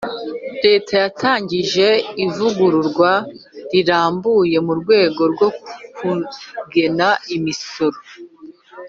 leta yatangije ivugururwa rirambuye mu rwego rwo kugena imisoro